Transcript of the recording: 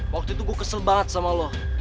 waktu itu gue kesel banget sama lo